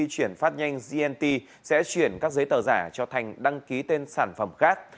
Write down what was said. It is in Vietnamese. chuyển phát nhanh gnt sẽ chuyển các giấy tờ giả cho thành đăng ký tên sản phẩm khác